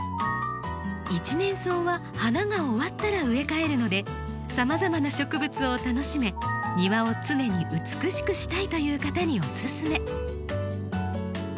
１年草は花が終わったら植え替えるのでさまざまな植物を楽しめ庭を常に美しくしたいという方におすすめ。